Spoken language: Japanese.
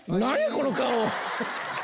この顔。